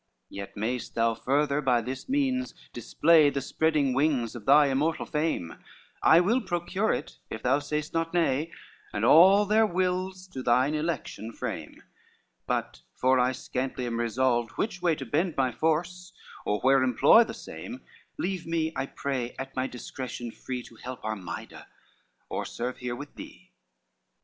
XI "Yet mayest thou further by this means display The spreading wings of thy immortal fame; I will procure it, if thou sayest not nay, And all their wills to thine election frame: But for I scantly am resolved which way To bend my force, or where employ the same, Leave me, I pray, at my discretion free To help Armida, or serve here with thee."